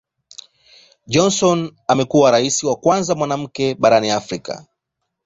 Johnson amekuwa Rais wa kwanza mwanamke barani Afrika.